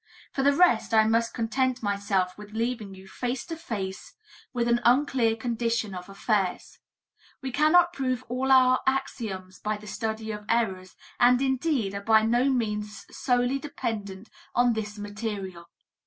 For the rest, I must content myself with leaving you face to face with an unclear condition of affairs. We cannot prove all our axioms by the study of errors and, indeed, are by no means solely dependent on this material.